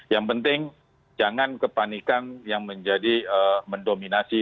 yang penting jangan kepanikan yang menjadi mendominasi